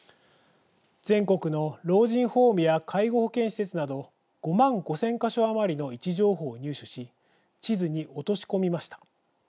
全国の老人ホームや介護保険施設など５万５０００か所余りの位置情報を入手し地図に落とし込みました。